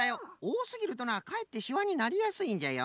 おおすぎるとなかえってしわになりやすいんじゃよ。